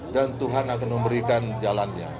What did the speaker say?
tuhan akan memberikan jalannya